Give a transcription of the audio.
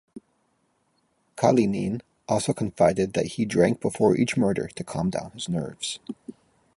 Kalinin also confided that he drank before each murder to calm down his nerves.